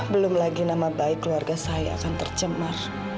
belum lagi nama baik keluarga saya akan tercemar